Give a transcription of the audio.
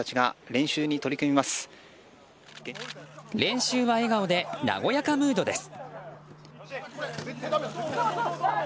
練習は笑顔で和やかムードです。